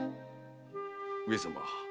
上様。